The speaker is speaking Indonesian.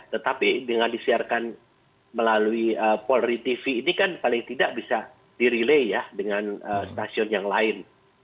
tetapi dengan disiarkan melalui polri tv ini kan paling tidak bisa di relay ya dengan stasiun yang lain